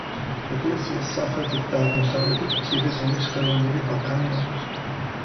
ეკლესიას სამხრეთით და აღმოსავლეთით მცირე ზომის ხელოვნური ბაქანი აქვს.